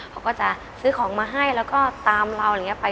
เขาก็จะซื้อของมาให้แล้วก็ตามเราอะไรอย่างนี้ไป